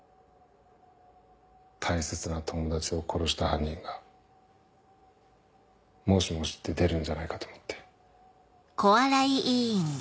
大切な友達を殺した犯人が「もしもし」って出るんじゃないかと思って。